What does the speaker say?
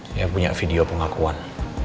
saya punya video pengakuan